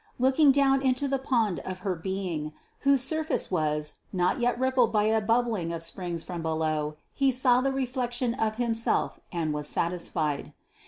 Looking down into the pond of her being, whose surface was, not yet ruffled by any bubbling of springs from below, he saw the reflection of himself and was satisfied.